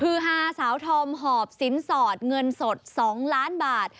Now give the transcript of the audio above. คือฮาสาวธอมหอบสินสอดเงินสด๒ล้านบาท